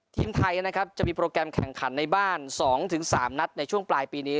ทีมไทยนะครับจะมีโปรแกรมแข่งขันในบ้าน๒๓นัดในช่วงปลายปีนี้